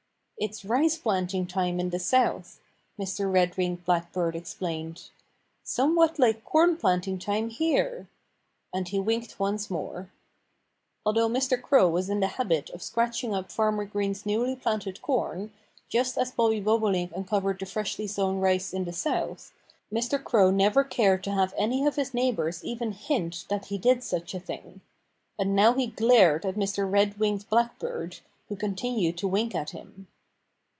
"It's rice planting time in the South," Mr. Red winged Blackbird explained. "Somewhat like corn planting time here!" And he winked once more. Although Mr. Crow was in the habit of scratching up Farmer Green's newly planted corn, just as Bobby Bobolink uncovered the freshly sown rice in the South, Mr. Crow never cared to have any of his neighbors even hint that he did such a thing. And now he glared at Mr. Red winged Blackbird, who continued to wink at him.